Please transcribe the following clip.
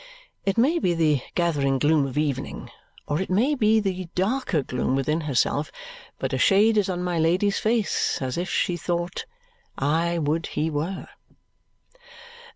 It may be the gathering gloom of evening, or it may be the darker gloom within herself, but a shade is on my Lady's face, as if she thought, "I would he were!"